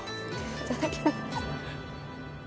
いただきます